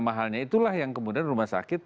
mahalnya itulah yang kemudian rumah sakit